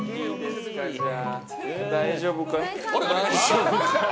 大丈夫かな。